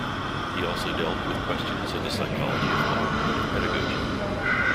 He also dealt with questions of the psychology of thought and of pedagogy.